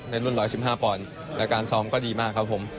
รุ่น๑๑๕ปอนด์และการซ้อมก็ดีมากครับผม